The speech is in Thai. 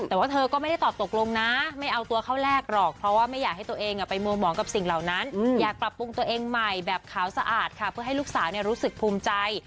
แต่ว่าเธอก็ไม่ได้ตอบตกลงนะไม่เอาตัวเข้าแรกหรอกเพราะว่าไม่อยากให้ตัวเองไปมัวหมองกับสิ่งเหล่านั้นอยากปรับปรุงตัวเองใหม่แบบขาวสะอาดค่ะเพื่อให้ลูกสาวรู้สึกภูมิใจ